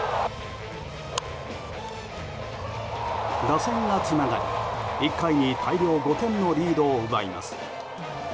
打線がつながり、１回に大量５点のリードを奪います。